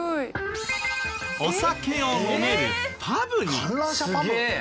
お酒を飲めるパブに。